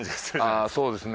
ああそうですね。